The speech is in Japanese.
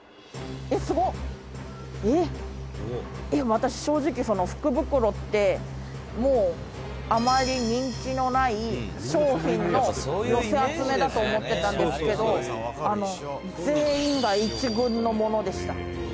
「私、正直、福袋ってあまり人気のない商品の寄せ集めだと思ってたんですけど全員が１軍のものでした」